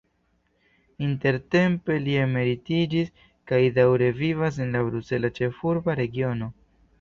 Intertempe li emeritiĝis kaj daŭre vivas en la Brusela Ĉefurba Regiono.